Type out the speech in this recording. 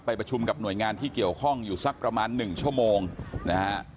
ประชุมกับหน่วยงานที่เกี่ยวข้องอยู่สักประมาณหนึ่งชั่วโมงนะฮะ